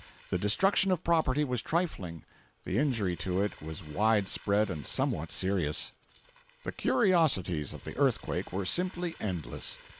The destruction of property was trifling—the injury to it was wide spread and somewhat serious. 423b.jpg (37K) The "curiosities" of the earthquake were simply endless.